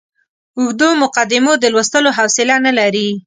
اوږدو مقدمو د لوستلو حوصله نه لري.